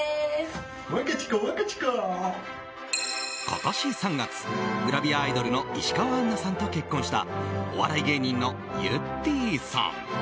今年３月グラビアアイドルの石川あんなさんと結婚したお笑い芸人のゆってぃさん。